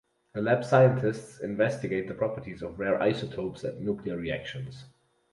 The lab's scientists investigate the properties of rare isotopes and nuclear reactions.